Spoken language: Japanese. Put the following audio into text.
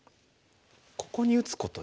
ここに打つことで。